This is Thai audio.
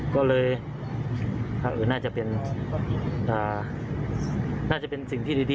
ก็เลยน่าจะเป็นสิ่งที่ดีอ่ะเนอะ